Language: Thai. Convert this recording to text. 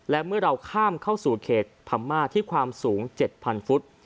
และเมื่อเราข้ามเข้าสู่เขตพม่าที่ความสูง๗๐๐ฟุต